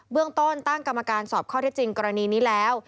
เรื่องต้นตั้งกรรมการสอบข้อเท็จจริงกรณีนี้แล้ว